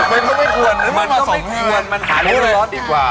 มันก็ไม่ควรมันก็สมควรมันหาเรื่องร้อนดีกว่า